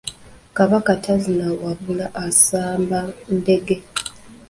Kabaka tazina wabula asamba ndege.